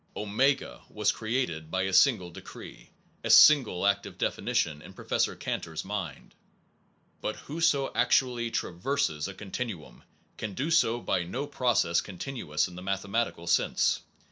Omega was created by a single decree, a single act of definition in Prof. Can tor s mind. But whoso actually traverses a con tinuum, can do so by no process continuous in the mathematical sense.